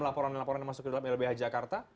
laporan laporan yang masuk ke dalam lbh jakarta